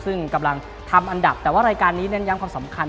ซึ่งกำลังทำอันดับแต่ว่ารายการนี้เน้นย้ำความสำคัญ